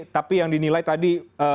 tapi yang dinilai tadi